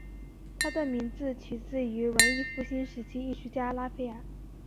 他的名字取自于文艺复兴时期艺术家拉斐尔。